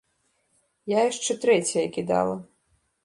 Я яшчэ трэцяя кідала.